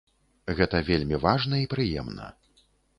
Гэта вельмі важна і прыемна.